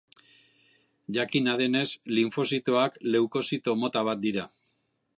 Jakina denez, linfozitoak leukozito mota bat dira.